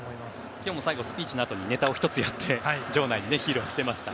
今日も最後スピーチのあとにネタを１つやって場内に披露していました。